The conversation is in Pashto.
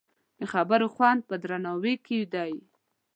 د خبرو خوند په درناوي کې دی